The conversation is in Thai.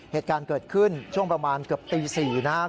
เหตุการณ์เกิดขึ้นช่วงประมาณเกือบตี๔นะครับ